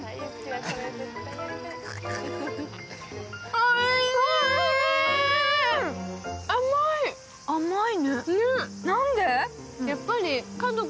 おいしい！